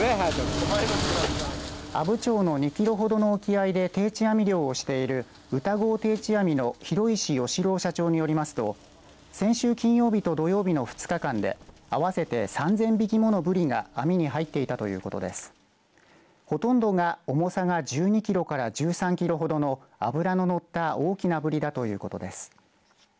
阿武町の２キロほどの沖合で定置網漁をしている宇田郷定置網の廣石芳郎社長によりますと先週金曜日と土曜日の２日間で合わせて３０００匹ものブリが網に入っていたていうことでほとんどが重さが１２キロから１３キロほどの脂ののった大きなブリだということです。